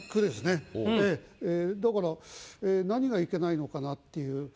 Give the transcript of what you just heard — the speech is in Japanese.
だから何がいけないのかなっていう。